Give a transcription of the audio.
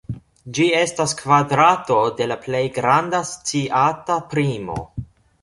Ĝi estas kvadrato de la plej granda sciata primo.